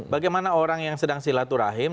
bagaimana orang yang sedang silaturahim